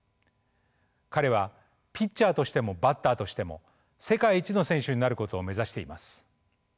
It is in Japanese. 彼はピッチャーとしてもバッターとしても世界一の選手になることを目指しています。